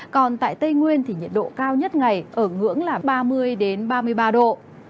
còn tại tây nguyên nhiệt độ cao nhất ngày ở ngưỡng là ba mươi đến ba mươi ba độ